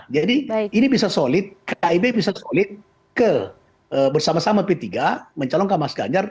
jadi ini bisa solid kib bisa solid ke bersama sama p tiga mencalon ke mas ganjar